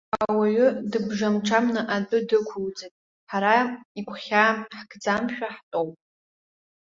Ауаҩы дыбжамҽамны адәы дықәуҵеит, ҳара игәхьаа ҳкӡамшәа ҳтәоуп.